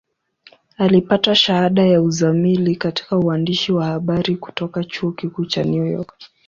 Alipata shahada ya uzamili katika uandishi wa habari kutoka Chuo Kikuu cha New York.